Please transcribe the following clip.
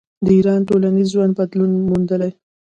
د ایران ټولنیز ژوند بدلون موندلی.